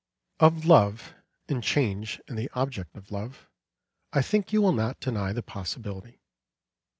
Of love, and change in the object of love, I think you will not deny the possibility.